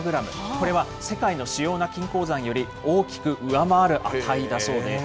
これは世界の主要な金鉱山より大きく上回る値だそうです。